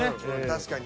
確かに。